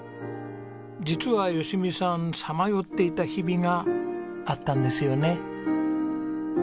実は吉美さんさまよっていた日々があったんですよね。